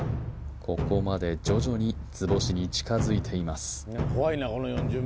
ここまで徐々に図星に近づいています